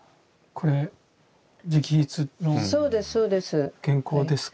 これ直筆の原稿ですか？